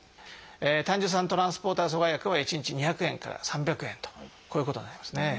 胆汁酸トランスポーター阻害薬は一日２００円から３００円とこういうことになりますね。